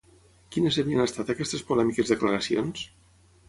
Quines havien estat aquestes polèmiques declaracions?